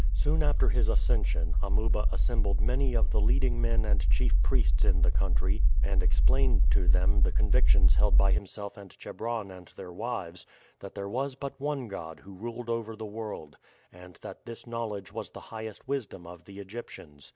Soon after his ascension Amuba assembled many of the leading men and chief priests in the country, and explained to them the convictions held by himself and Chebron and their wives, that there was but one God who ruled over the world, and that this knowledge was the highest wisdom of the Egyptians.